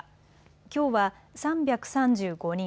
きょうは３３５人。